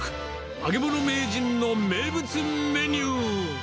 揚げ物名人の名物メニュー。